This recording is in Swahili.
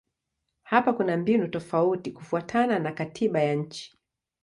Hapa kuna mbinu tofauti kufuatana na katiba ya nchi.